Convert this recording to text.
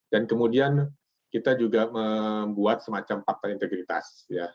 dan kemudian kita juga membuat semacam fakta integritas